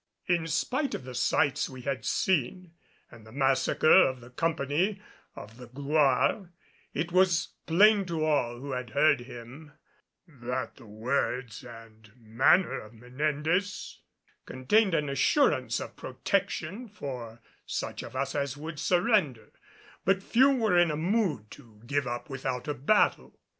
In spite of the sights we had seen and the massacre of the company of the Gloire it was plain to all who had heard him that the words and manner of Menendez contained an assurance of protection for such of us as would surrender; but few were in a mood to give up without a battle.